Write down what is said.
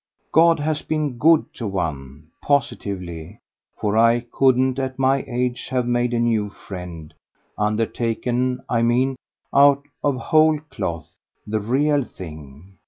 God has been good to one positively; for I couldn't, at my age, have made a new friend undertaken, I mean, out of whole cloth, the real thing.